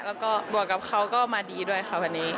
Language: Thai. แล้วก็บวกกับเขาก็มาดีด้วยค่ะวันนี้